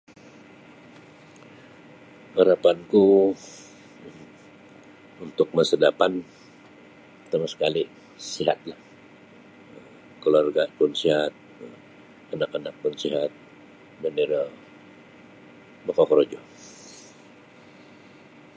Arapanku untuk masa dapan tarus sekali' sihatlah kaluarga' pun sihat anak-anak pun sihat dan iro makakorojo.